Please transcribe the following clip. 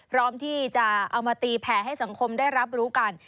พร้อมที่จะเอามาตีแผ่ให้สังคมได้รับรู้กัน